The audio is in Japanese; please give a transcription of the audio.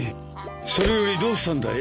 それよりどうしたんだい？